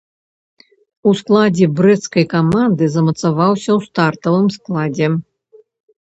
У складзе брэсцкай каманды замацаваўся ў стартавым складзе.